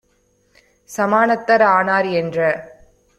சமானத்தர் ஆனார் என்ற